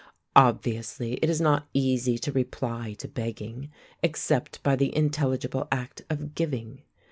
Obviously it is not easy to reply to begging except by the intelligible act of giving.